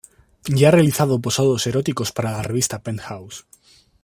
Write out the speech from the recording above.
Y ha realizado posados eróticos para la revista Penthouse.